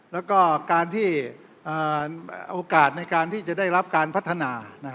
แล้วก็การที่โอกาสในการที่จะได้รับการพัฒนา